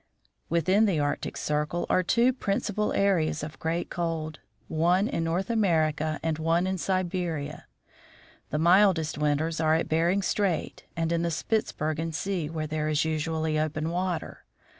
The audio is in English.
Within the Arctic circle are two principal areas of great cold, one in North America and one in Siberia. The mild est winters are at Bering strait and in the Spitzbergen Sea, where there is usually open water.